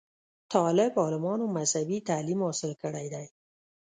طالب علمانومذهبي تعليم حاصل کړے دے